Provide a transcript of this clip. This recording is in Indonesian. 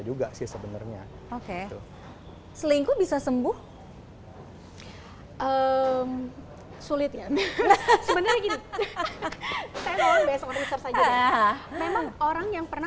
juga sih sebenarnya oke selingkuh bisa sembuh sulit ya sebenarnya gini memang orang yang pernah